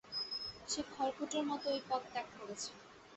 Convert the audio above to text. সে খড়কুটোর মত ঐ পদ ত্যাগ করেছে।